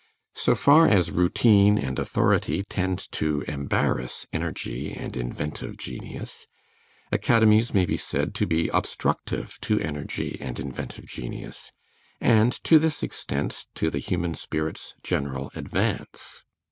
So far as routine and authority tend to embarrass energy and inventive genius, academies may be said to be obstructive to energy and inventive genius, and to this extent to the human spirit's general advance.